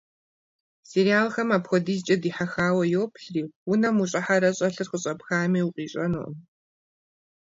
Сериалхэм апхуэдизкӏэ дихьэхауэ йоплъри, унэм ущӏыхьэрэ щӏэлъыр щӏэпхами, укъищӏэнукъым.